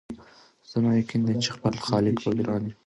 زما یقین دی چي پر خپل خالق به ګران یو